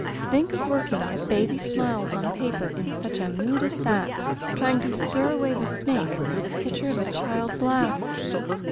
Think of working at babies' smiles on paper in such a mood as that! Trying to scare away the snake with a picture of a child's laugh!